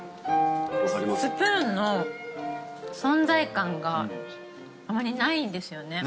スプーンの存在感があまりないですよね。